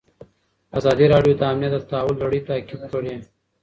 ازادي راډیو د امنیت د تحول لړۍ تعقیب کړې.